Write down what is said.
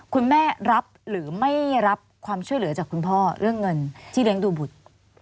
รับหรือไม่รับความช่วยเหลือจากคุณพ่อเรื่องเงินที่เลี้ยงดูบุตร